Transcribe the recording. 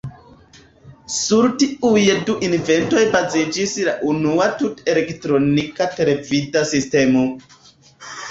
Sur tiuj du inventoj baziĝis la unua tute elektronika televida sistemo.